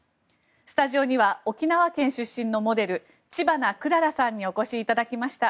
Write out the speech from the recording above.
スタジオには沖縄出身のモデル知花くららさんにお越しいただきました。